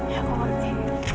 ya aku ngerti